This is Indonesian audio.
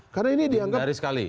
karena ini dianggap